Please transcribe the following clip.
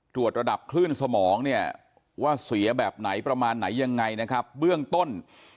ตรวจระดับคลื่นสมองเนี่ยว่าเสียแบบไหนประมาณไหนยังไงนะครับเบื้องต้น